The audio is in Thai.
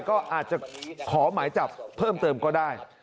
ก็อาจจะขอหมายจับเพิ่มเติมก็ได้